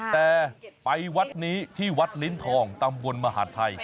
แต่ไปวัดนี้ที่วัดลิ้นทองตำบลมหาดไทย